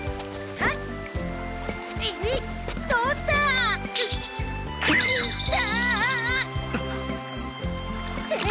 あっ。